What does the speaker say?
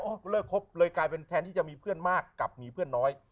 เลิกครบเลยกลายเป็นแทนที่จะมีเพื่อนมากกับมีเพื่อนน้อย